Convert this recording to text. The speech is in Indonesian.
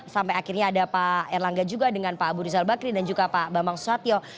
sampai akhirnya ada pak erlangga juga dengan pak abu rizal bakri dan juga pak bambang susatyo